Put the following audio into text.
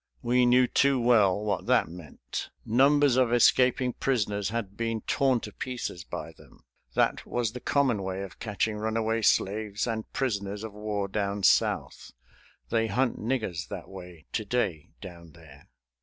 We knew too well what that meant. Numbers of escaping prisoners had been torn to pieces by them. That was the common way of catching runaway slaves and prisoners of war down South. They hunt "niggers" that way to day down there.